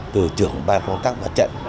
từ trưởng ban công tác và trận